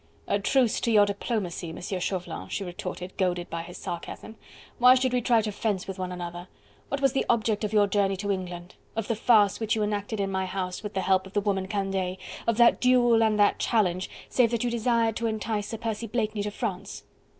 "A truce to your diplomacy, Monsieur Chauvelin," she retorted, goaded by his sarcasm, "why should we try to fence with one another? What was the object of your journey to England? of the farce which you enacted in my house, with the help of the woman Candeille? of that duel and that challenge, save that you desired to entice Sir Percy Blakeney to France?"